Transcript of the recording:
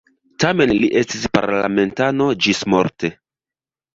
Tamen li estis parlamentano ĝismorte.